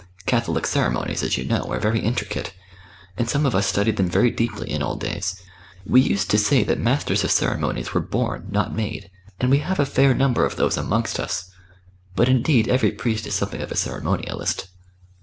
Catholic ceremonies, as you know, are very intricate, and some of us studied them very deeply in old days. We used to say that Masters of Ceremonies were born, not made, and we have a fair number of those amongst us. But indeed every priest is something of a ceremonialist."